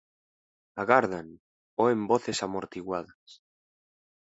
Agardan, oen voces amortiguadas.